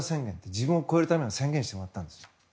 自分を超えるための宣言をしてもらったんです。